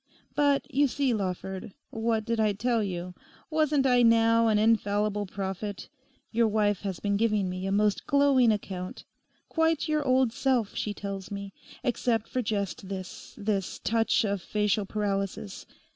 But you see, Lawford, what did I tell you? Wasn't I now an infallible prophet? Your wife has been giving me a most glowing account. Quite your old self, she tells me, except for just this—this touch of facial paralysis.